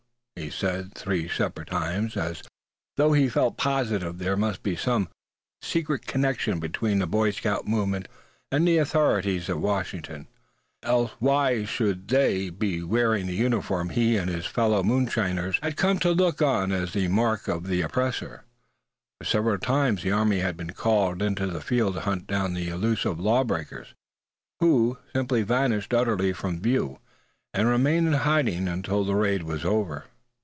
he said three separate times, as though he felt positive there must be some secret connection between the Boy Scout movement, and the authorities at Washington; else why should they be wearing the uniform he and his fellow moonshiners had come to look on as the mark of the oppressor; for several times the army had been called into the field to hunt down the elusive law breakers, who simply vanished utterly from view, and remained in hiding until the raid was over.